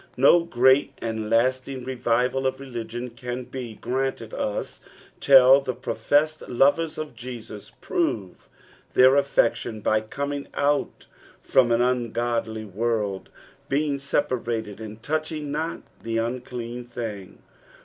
No great and lasting revival of religion can bo granted us till the professed lovers of Jesus prove their affection by coming out from an ungodly world, being separated, and toucliiog not the unclean thing.